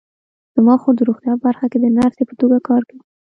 زما خور د روغتیا په برخه کې د نرسۍ په توګه کار کوي